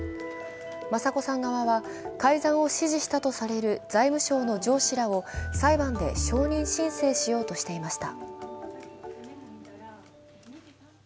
雅子さん側は、改ざんを指示したとされる財務省の上司らを裁判で証人申請しようとしていました。